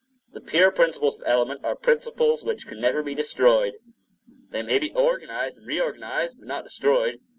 The pure principles of element are principles which can never be destroyed; they may be organized and re organized, but not destroyed.